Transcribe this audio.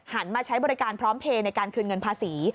มาใช้บริการพร้อมเพลย์ในการคืนเงินภาษี